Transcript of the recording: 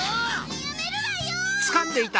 やめるらよ！